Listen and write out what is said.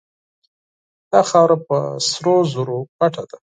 دا خاوره په سرو زرو پټه ده.